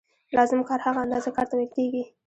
لازم کار هغه اندازه کار ته ویل کېږي